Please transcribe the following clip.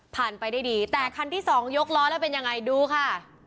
ไปได้ดีแต่คันที่สองยกล้อแล้วเป็นยังไงดูค่ะ